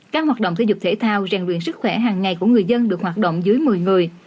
các hoạt động thể dục thể thao rèn luyện sức khỏe hàng ngày của người dân được hoạt động dưới một mươi người